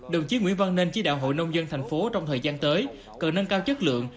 đồng chí nguyễn văn nên chỉ đạo hội nông dân thành phố trong thời gian tới cần nâng cao chất lượng